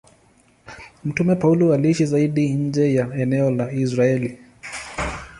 Mtume Paulo aliishi zaidi nje ya eneo la Israeli.